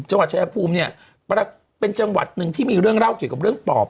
ชายภูมิเนี่ยเป็นจังหวัดหนึ่งที่มีเรื่องเล่าเกี่ยวกับเรื่องปอบ